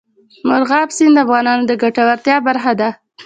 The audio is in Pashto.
مورغاب سیند د افغانانو د ګټورتیا برخه ده.